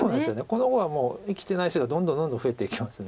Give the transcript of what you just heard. この碁はもう生きてない石がどんどんどんどん増えていきます。